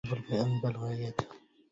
البر في أنبل غاياته